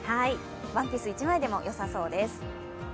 ワンピース１枚でもよさそうです。